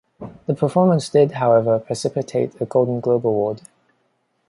The performance did, however, precipitate a Golden Globe Award.